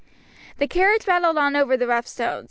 The carriage rattled on over the rough stones.